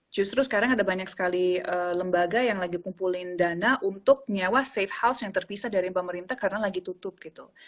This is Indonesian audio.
justru sekarang ada banyak sekali lembaga yang lagi kumpulin dana untuk nyewa safe house yang terpisah dari pemerintah karena lagi tutup gitu